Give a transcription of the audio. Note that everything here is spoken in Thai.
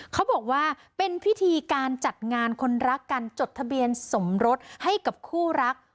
เขาบอกว่าเป็นพิธีการจัดงานคนรักกันจดทะเบียนสมรสให้กับคู่รัก